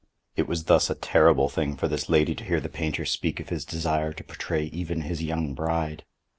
It was thus a terrible thing for this lady to hear the painter speak of his desire to portray even his young bride.